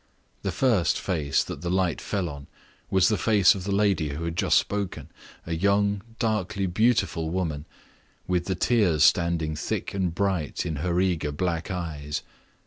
The first face that the light fell on was the face of the lady who had just spoken a young, darkly beautiful woman, with the tears standing thick and bright in her eager black eyes.